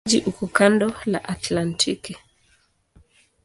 Mji uko kando la Atlantiki.